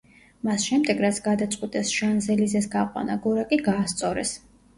მას შემდეგ, რაც გადაწყვიტეს შანზ-ელიზეს გაყვანა, გორაკი გაასწორეს.